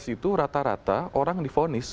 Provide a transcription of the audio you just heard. dua ribu delapan belas itu rata rata orang diponis